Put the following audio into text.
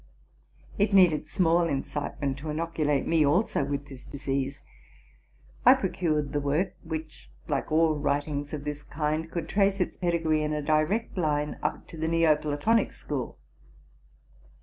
It needed small incitement to inoculate me also with this disease. I procured the work, which, like all writings of this kind, could trace its pedigree in a direct line up to the Neo Platonic school.